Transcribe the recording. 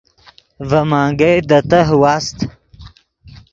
ڤے منگئے دے تہہ واست